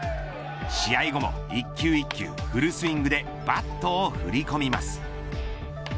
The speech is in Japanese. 試合後も一球一球フルスイングでバットを振りこみます。